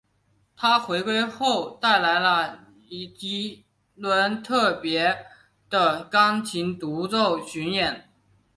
她回归后带来了一轮特别的钢琴独奏巡演。